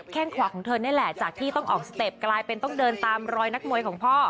แค่งขวาของเธอนี่แหละจากที่ต้องออกสเต็ปกลายเป็นต้องเดินตามรอยนักมวยของพ่อ